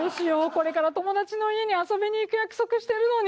これから友達の家に遊びに行く約束してるのに。